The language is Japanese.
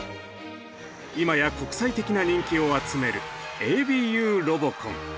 今や国際的な人気を集める「ＡＢＵロボコン」。